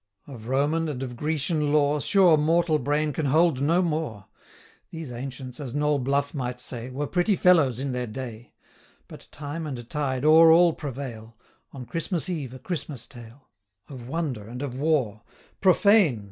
Of Roman and of Grecian lore, Sure mortal brain can hold no more. 130 These ancients, as Noll Bluff might say, 'Were pretty fellows in their day;' But time and tide o'er all prevail On Christmas eve a Christmas tale Of wonder and of war 'Profane!